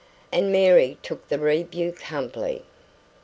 And Mary took the rebuke humbly.